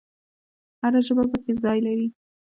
هر ژبه پکې څه ځای لري؟